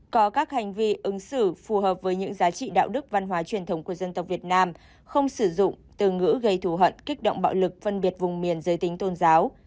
có các hành vi ứng xử phù hợp với những giá trị đạo đức văn hóa truyền thống của dân tộc việt nam không sử dụng từ ngữ gây thù hận kích động bạo lực phân biệt vùng miền giới tính tôn giáo